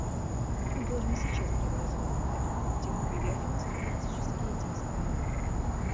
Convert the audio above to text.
Мы должны сейчас преобразовать эту коллективную приверженность в практические действия.